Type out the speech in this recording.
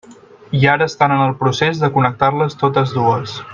I ara estan en el procés de connectar-les totes dues.